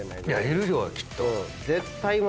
いるよきっと。